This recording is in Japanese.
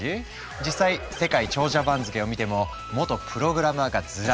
実際世界長者番付を見ても元プログラマーがずらり。